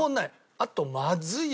あとまずいよ。